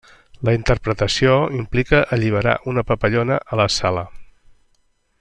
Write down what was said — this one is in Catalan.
La interpretació implica alliberar una papallona a la sala.